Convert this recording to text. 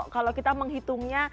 kalau kita menghitungnya